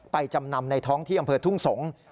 จำนำในท้องที่อำเภอทุ่งสงศ์